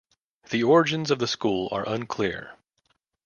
The origins of the school are unclear.